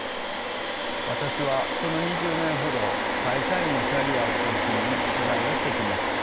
私はこの２０年ほど会社員のキャリアを中心に取材をしてきました。